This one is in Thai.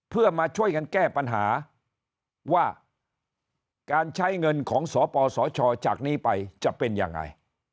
เพื่อมาช่วยกันแก้ปัญหาว่าการใช้เงินของสปสชจากนี้ไปจะเป็นยังไง